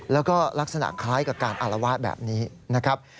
แล้วก็ลักษณะคล้ายกับการอารวาสแบบนี้นะครับ